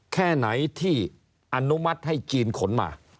แค่ไหนที่อนุมัติให้จีนขนมา